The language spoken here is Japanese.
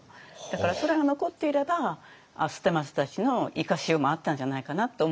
だからそれが残っていれば捨松たちの生かしようもあったんじゃないかなと思うんですけど。